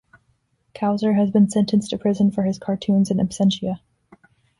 Kowsar has been sentenced to prison for his cartoons in absentia.